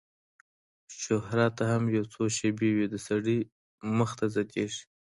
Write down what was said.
شهرت هم یو څو شېبې وي د سړي مخ ته ځلیږي